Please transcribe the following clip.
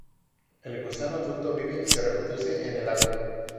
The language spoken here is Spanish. El gusano adulto vive y se reproduce en el agua.